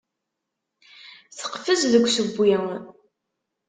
Teqfez deg usewwi.